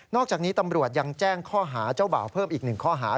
อกจากนี้ตำรวจยังแจ้งข้อหาเจ้าบ่าวเพิ่มอีก๑ข้อหา